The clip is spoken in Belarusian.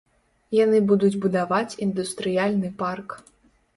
Яны будуць будаваць індустрыяльны парк.